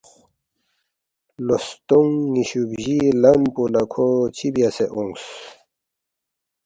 لو ستونگ نِ٘یشُو بجی لم پو لہ کھو چِہ بیاسے اونگس